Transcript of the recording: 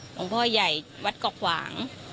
หลวงพ่อใหญ่วัดกอกหว่าง